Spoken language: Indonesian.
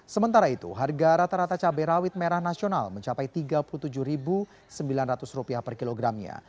sementara itu harga rata rata cabai rawit merah nasional mencapai rp tiga puluh tujuh sembilan ratus per kilogramnya